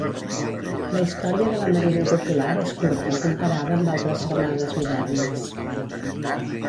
La història de la Marina Popular és curta comparada amb altres Armades modernes.